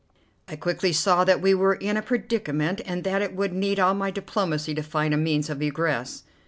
I quickly saw that we were in a predicament, and that it would need all my diplomacy to find a means of egress.